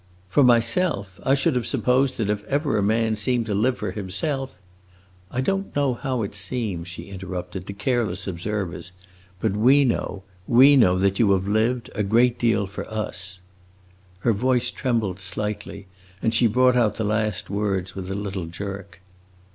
"For myself? I should have supposed that if ever a man seemed to live for himself" "I don't know how it seems," she interrupted, "to careless observers. But we know we know that you have lived a great deal for us." Her voice trembled slightly, and she brought out the last words with a little jerk.